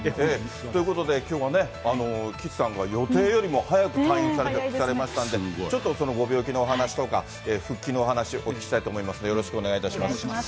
ということで、きょうはね、岸さんが予定よりも早く退院されましたんで、ちょっとそのご病気のお話とか、復帰のお話、お聞きしたいと思いますんで、よろしくお願いいたします。